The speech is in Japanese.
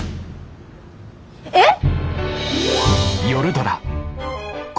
えっ！？